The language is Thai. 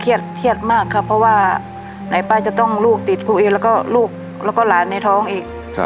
เครียดมากครับเพราะว่าไหนป้าจะต้องลูกติดครูเองแล้วก็ลูกแล้วก็หลานในท้องอีก